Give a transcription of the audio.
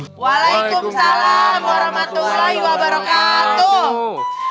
assalamualaikum warahmatullahi wabarakatuh